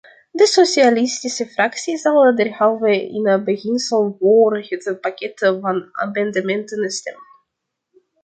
De socialistische fractie zal derhalve in beginsel vóór het pakket van amendementen stemmen.